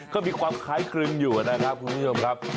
ก็มีความคล้ายครึมอยู่นะครับคุณผู้ชมครับ